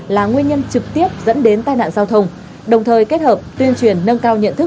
là nguyên nhân trực tiếp dẫn đến tai nạn giao thông đồng thời kết hợp tuyên truyền nâng cao nhận thức